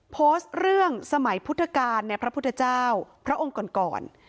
โพสต์เรื่องสมัยพุทธกาลในพระพุทธเจ้าพระองค์ก่อนก่อน